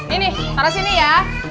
ini taro sini ya